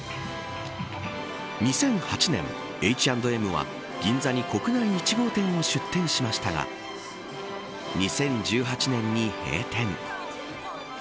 ２００８年、Ｈ＆Ｍは銀座に国内１号店を出店しましたが２０１８年に閉店。